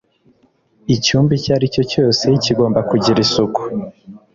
icyumba icyo aricyo cyose kigomba kugira isuku